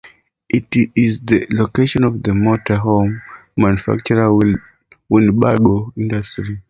It is the location of the motor homes manufacturer Winnebago Industries.